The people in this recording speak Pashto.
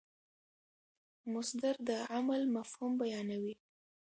مصدر د عمل مفهوم بیانوي.